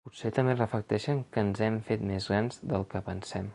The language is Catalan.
Potser també reflecteixen que ens hem fet més grans del que pensem.